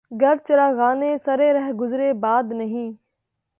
گر چراغانِ سرِ رہ گزرِ باد نہیں